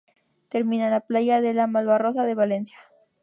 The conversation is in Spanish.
Termina en la Playa de la Malvarrosa de Valencia.